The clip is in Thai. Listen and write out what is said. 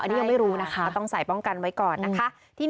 อันนี้ยังไม่รู้นะคะต้องใส่ป้องกันไว้ก่อนนะคะ